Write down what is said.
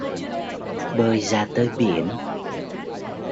Bơi ra tới biển